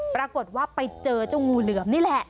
ปรากฏว่าไปเจอเจ้างูเหลือมนี่แหละ